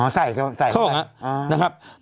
อ๋อใส่เข้าไป